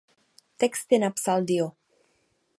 Texty napsal Dio.